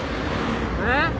えっ？